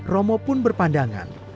romo pun berpandangan